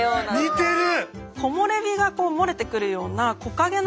似てる！